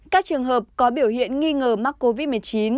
các trường hợp có biểu hiện nghi ngờ mắc covid một mươi chín